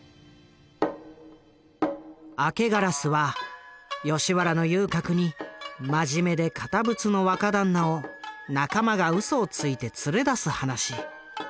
「明烏」は吉原の遊郭に真面目で堅物の若旦那を仲間がうそをついて連れ出す噺。